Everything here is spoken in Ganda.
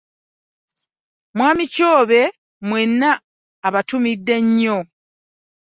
Mwami Kyobe mwenna abatumidde nnyo.